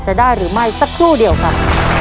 จะได้หรือไม่สักครู่เดียวครับ